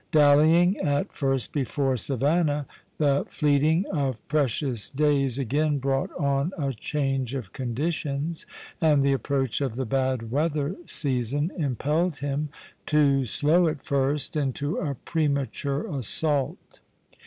Dallying at first before Savannah, the fleeting of precious days again brought on a change of conditions, and the approach of the bad weather season impelled him, too slow at first, into a premature assault.